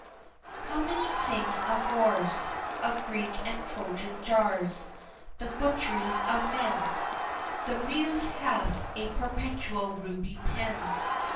How many sing of wars, Of Greek and Trojan jars The butcheries of men! The Muse hath a "Perpetual Ruby Pen!"